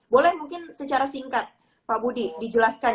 boleh mungkin secara singkat pak budi dijelaskan